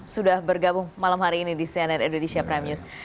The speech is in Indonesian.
sudah bergabung malam hari ini di cnn indonesia prime news